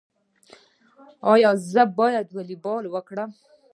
ایا زه باید والیبال وکړم؟